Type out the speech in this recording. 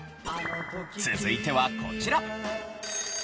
続いてはこちら。